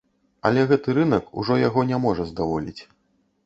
Але гэты рынак ужо яго не можа здаволіць.